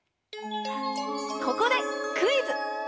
ここでクイズ！